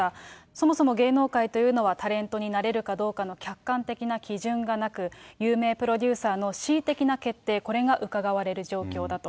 そもそも芸能界というのは、タレントになれるかどうかの客観的な基準がなく、有名プロデューサーの恣意的な決定、これがうかがわれる状況だと。